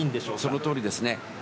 その通りですね。